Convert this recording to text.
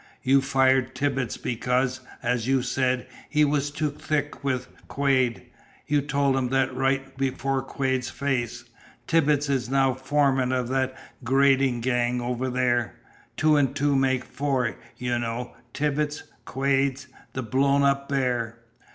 You fired Tibbits because, as you said, he was too thick with Quade. You told him that right before Quade's face. Tibbits is now foreman of that grading gang over there. Two and two make four, you know. Tibbits Quade the blown up bear.